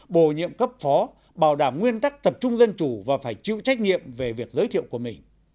bổ nhiệm cấp phó bảo đảm nguyên tắc tập trung dân chủ và phải chịu trách nhiệm về việc giới thiệu của mình